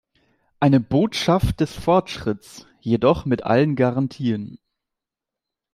Eine Botschaft des Fortschritts, jedoch mit allen Garantien.